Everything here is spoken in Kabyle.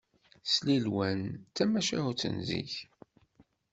Slilwan d tamacahut n zik